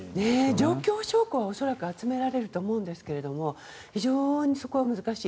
状況証拠は恐らく集められると思いますがそこは難しい。